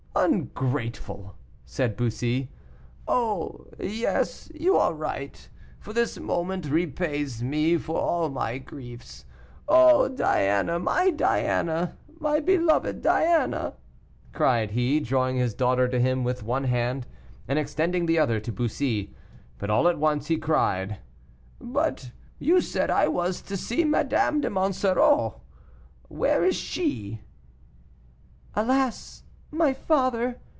"Ungrateful," said Bussy. "Oh! yes! you are right; for this moment repays me for all my griefs. Oh! my Diana! my beloved Diana!" cried he, drawing his daughter to him with one hand, and extending the other to Bussy. But all at once he cried, "But you said I was to see Madame de Monsoreau. Where is she?" "Alas! my father!"